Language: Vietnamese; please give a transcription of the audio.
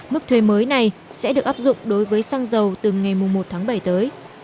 mức thuê mới này sẽ được áp dụng đối với xăng dầu từ ngày một tháng bảy tới